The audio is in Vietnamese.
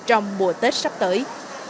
trong mùa tết sắp tới